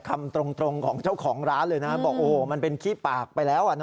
คำตรงของเจ้าของร้านเลยนะบอกโอ้โหมันเป็นขี้ปากไปแล้ว